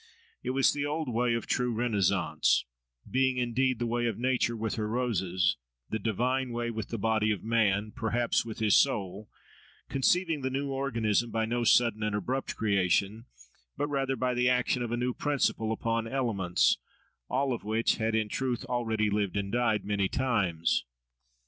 It was the old way of true Renaissance—being indeed the way of nature with her roses, the divine way with the body of man, perhaps with his soul—conceiving the new organism by no sudden and abrupt creation, but rather by the action of a new principle upon elements, all of which had in truth already lived and died many times.